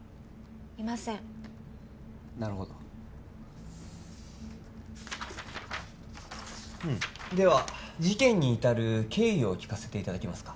いませんなるほどでは事件にいたる経緯を聞かせていただけますか？